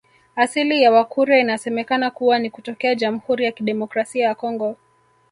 Asili ya Wakurya inasemekana kuwa ni kutokea Jamhuri ya Kidemokrasia ya Kongo